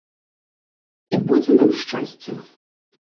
І будзе нам шчасце.